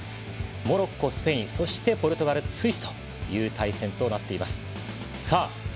モロッコ、スペインそしてポルトガルとスイスという対戦となっています。